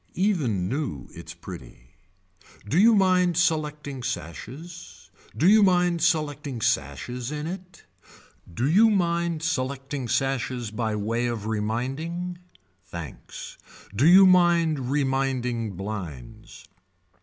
Even new its pretty. Do you mind selecting sashes. Do you mind selecting sashes in it. Do you mind selecting sashes by way of reminding, thanks. Do you mind reminding blinds.